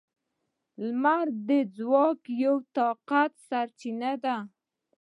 • لمر د ځواک یوه طاقته سرچینه ده.